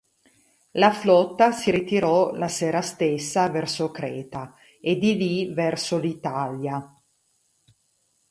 La flotta si ritirò la sera stessa verso Creta e di lì verso l'Italia.